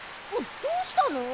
どうしたの！？